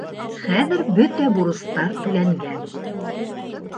Хәҙер бөтә бурыстар түләнгән.